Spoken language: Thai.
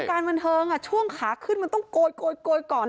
อย่างในวงการบรรเทิงช่วงขาขึ้นมันต้องโกยก่อน